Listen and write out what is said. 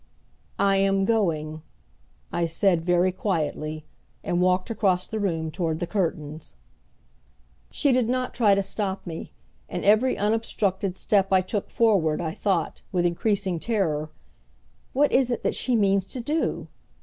"I am going," I said, very quietly, and walked across the room toward the curtains. She did not try to stop me, and every unobstructed step I took forward I thought, with increasing terror, "What is it that she means to do?"